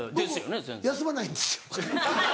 僕休まないんです。